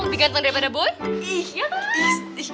lebih ganteng daripada boy